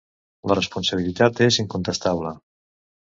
La responsabilitat és incontestable.